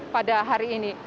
pada hari ini